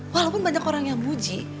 walaupun banyak orang yang buji